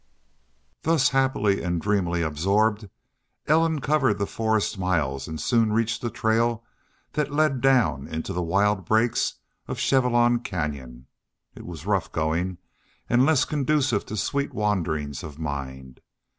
Thus happily and dreamily absorbed, Ellen covered the forest miles and soon reached the trail that led down into the wild brakes of Chevelon Canyon. It was rough going and less conducive to sweet wanderings of mind.